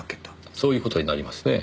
そういう事になりますねぇ。